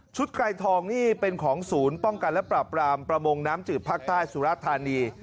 ไกรทองนี่เป็นของศูนย์ป้องกันและปรับรามประมงน้ำจืดภาคใต้สุรธานี